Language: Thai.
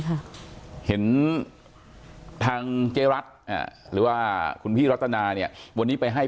ค่ะเห็นทางเจ๊รัฐอ่าหรือว่าคุณพี่รัตนาเนี่ยวันนี้ไปให้